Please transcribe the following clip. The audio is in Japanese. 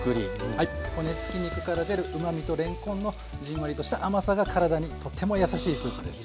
骨付き肉から出るうまみとれんこんのじんわりとした甘さが体にとてもやさしいスープです。